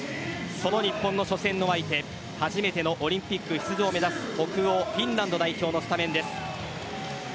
その日本の初戦の相手初めてのオリンピック出場を目指す北欧・フィンランド代表のスタメンです。